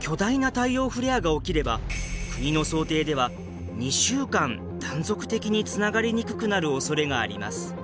巨大な太陽フレアが起きれば国の想定では２週間断続的につながりにくくなるおそれがあります。